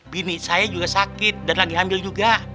bini saya juga sakit dan lagi hamil juga